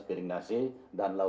menjadi kemampuan anda